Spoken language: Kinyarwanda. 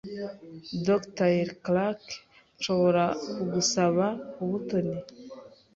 Dr. Clark, nshobora kugusaba ubutoni?